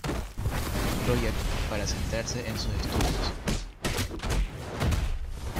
Project para centrarse en sus estudios.